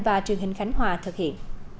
và truyền hình khánh hòa thực hiện